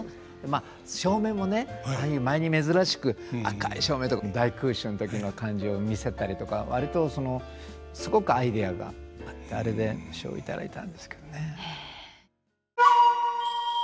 まあ照明もねああいう舞に珍しく赤い照明とか大空襲の時の感じを見せたりとか割とすごくアイデアがあってあれで賞を頂いたんですけどね。